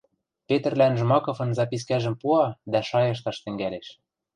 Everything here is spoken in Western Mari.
Петрлӓн Жмаковын запискӓжӹм пуа дӓ шайышташ тӹнгӓлеш.